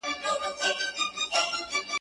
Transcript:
په دوو بېړيو کي پښې مه ايږده.